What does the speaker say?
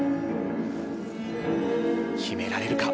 決められるか。